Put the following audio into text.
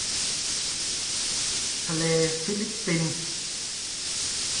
ทะเลฟิลิปปิน